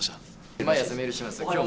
毎朝メールしてます。